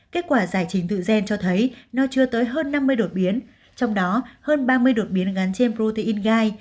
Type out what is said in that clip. kết quả giải trình tự gen cho thấy nó chưa tới hơn năm mươi đột biến trong đó hơn ba mươi đột biến gắn trên protein gai